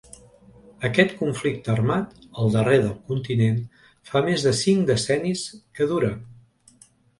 Aquest conflicte armat, el darrer del continent, fa més de cinc decennis que dura.